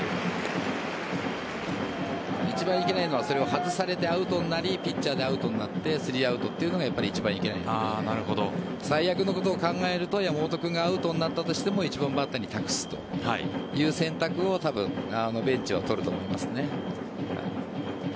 一番いけないのはそれを外されてアウトになりピッチャーでアウトになって３アウトというのが一番いけないので最悪のことを考えると山本君がアウトになったとしても１番バッターに託すという選択を多分ベンチは取ると思います。